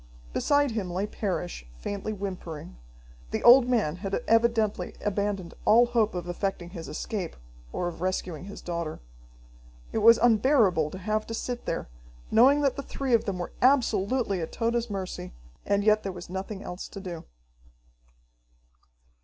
Beside him lay Parrish, faintly whimpering. The old man had evidently abandoned all hope of effecting his escape, or of rescuing his daughter. It was unbearable to have to sit there, knowing that the three of them were absolutely at Tode's mercy, and yet there was nothing else to do.